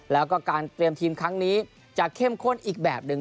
แล้วก็การเตรียมทีมครั้งนี้จะเข้มข้นอีกแบบหนึ่ง